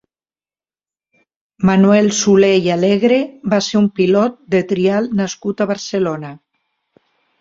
Manuel Soler i Alegre va ser un pilot de trial nascut a Barcelona.